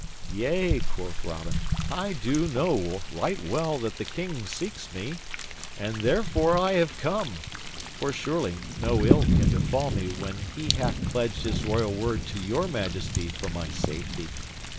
"Yea," quoth Robin, "I do know right well that the King seeks me, and therefore I have come; for, surely, no ill can befall me when he hath pledged his royal word to Your Majesty for my safety.